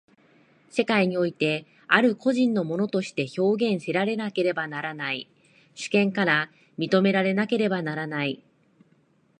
世界においてある個人の物として表現せられねばならない、主権から認められなければならない。